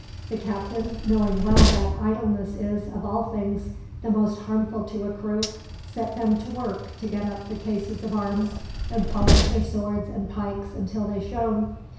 The captain, knowing well that idleness is, of all things, the most harmful to a crew, set them to work to get up the cases of arms, and polish their swords and pikes until they shone.